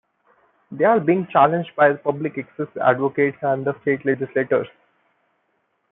They are being challenged by public access advocates and state legislators.